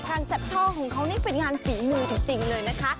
การจัดช่อของเขานี่เป็นงานฝีมือจริงเลยนะคะ